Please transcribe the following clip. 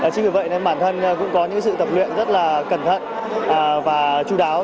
chính vì vậy bản thân cũng có những sự tập luyện rất cẩn thận và chú đáo